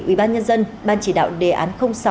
ủy ban nhân dân ban chỉ đạo đề án sáu